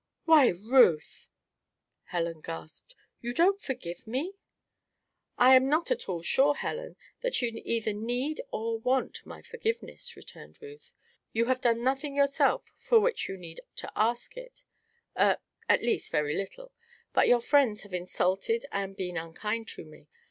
"Why, Ruth!" Helen gasped. "You don't forgive me?" "I am not at all sure, Helen, that you either need or want my forgiveness," returned Ruth. "You have done nothing yourself for which you need to ask it er, at least, very little; but your friends have insulted and been unkind to me.